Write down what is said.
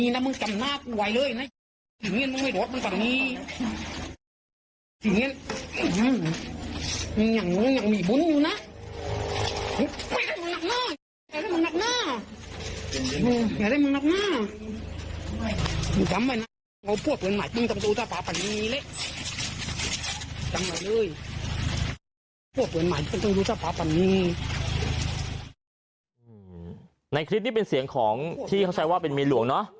ในคลิปนี้เป็นเสียงของที่เขาใช้ว่าเป็นเมียหลวงเนอะ